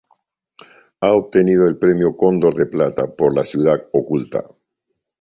Ha obtenido el Premio Cóndor de Plata, por "La ciudad oculta.